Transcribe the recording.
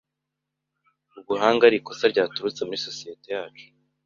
ubuhanga ari ikosa ryaturutse muri sosiyete yacu